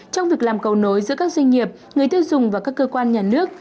trong việc làm cầu nối giữa các doanh nghiệp người tiêu dùng và các cơ quan nhà nước